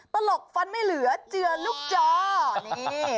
ตลกฟันไม่เหลือเจือลูกจอนี่